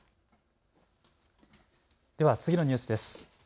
では次のニュースです。